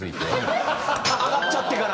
上がっちゃってから。